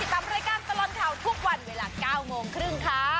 ก็เพียงใช้ติดตามรายการตลอดข่าวทุกวันเวลา๙โมงครึ่งค่ะ